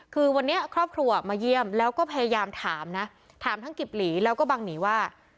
คือวันนี้ครอบครัวมาเยี่ยมแล้วก็พยายามถามนะถามทั้งกิบหลีแล้วก็บังหนีว่า